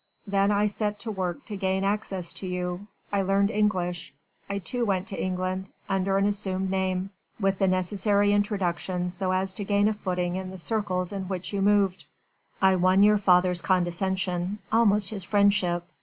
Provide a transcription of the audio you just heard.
Then I set to work to gain access to you.... I learned English.... I too went to England ... under an assumed name ... with the necessary introductions so as to gain a footing in the circles in which you moved. I won your father's condescension almost his friendship!...